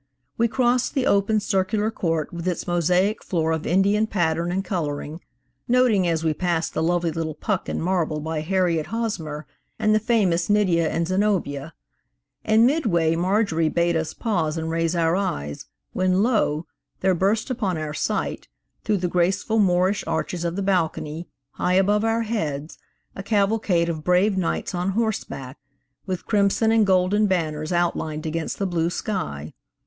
We crossed the open, circular court, with its mosaic floor of Indian pattern and coloring, noting as we passed the lovely little Puck in marble by Harriet Hosmer, and the famous Nydia and Zenobia; and midway Marjorie bade us pause and raise our eyes, when lo, there burst upon our sight, through the graceful Moorish arches of the balcony, high above our heads, a cavalcade of brave knights on horseback, with crimson and golden banners outlined against the blue sky.